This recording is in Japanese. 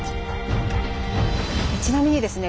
ちなみにですね